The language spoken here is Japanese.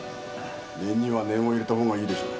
念には念を入れたほうがいいでしょう。